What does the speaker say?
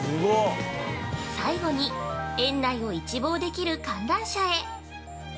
最後に園内を一望できる観覧車へ。